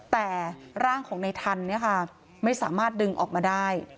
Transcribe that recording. แต่ร่างของในทันเนี่ยค่ะไม่สามารถดึงออกมาได้